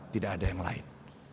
tidak ada yang lain